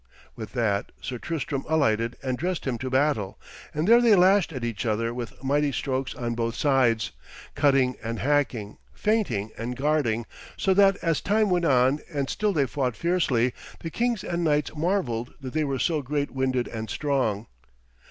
With that Sir Tristram alighted and dressed him to battle, and there they lashed at each other with mighty strokes on both sides, cutting and hacking, feinting and guarding, so that as time went on and still they fought fiercely, the kings and knights marvelled that they were so great winded and strong.